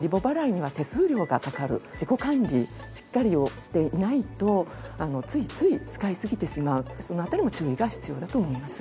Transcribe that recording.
リボ払いには手数料がかかる自己管理しっかりしていないとついつい使いすぎてしまうその辺りも注意が必要だと思います。